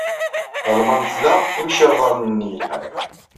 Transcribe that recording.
Lalman tla imcirḍaren yelhan.